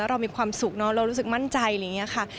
แล้วเรามีความสุขเนอะเรารู้สึกมั่นใจค่ะ